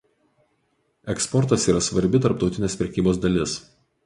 Eksportas yra svarbi tarptautinės prekybos dalis.